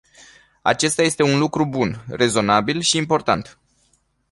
Acesta este un lucru bun, rezonabil și important.